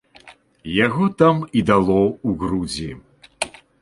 Яго там і дало ў грудзі.